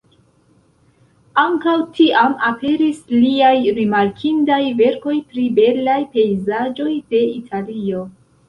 Ankaŭ tiam aperis liaj rimarkindaj verkoj pri belaj pejzaĝoj de Italio.